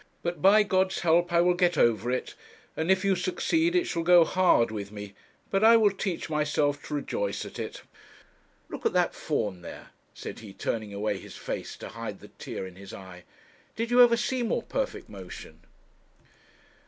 But, by God's help I will get over it; and if you succeed it shall go hard with me, but I will teach myself to rejoice at it. Look at that fawn there,' said he, turning away his face to hide the tear in his eye, 'did you ever see more perfect motion?'